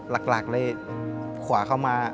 หลักเลยขวาเข้ามา